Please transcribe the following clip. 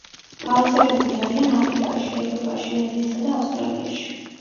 გავრცელებული არიან აფრიკაში, ევროპაში, აზიასა და ავსტრალიაში.